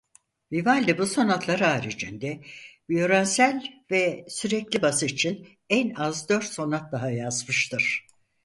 Vivaldi bu sonatlar haricinde viyolonsel ve sürekli bas için en az dört sonat daha yazmıştır.